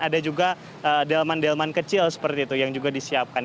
ada juga delman delman kecil seperti itu yang juga disiapkan